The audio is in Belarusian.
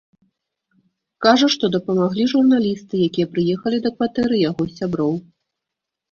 Кажа, што дапамаглі журналісты, якія прыехалі да кватэры яго сяброў.